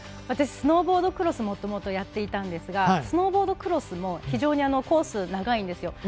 私はスノーボードクロスをもともとやっていたんですがスノーボードクロスも非常にコースが長いんですよ。